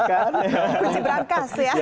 kunci berangkas ya